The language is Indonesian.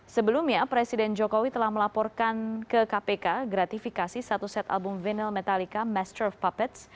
sebelumnya presiden jokowi telah melaporkan ke kpk gratifikasi satu set album vinyl metallica master of puppets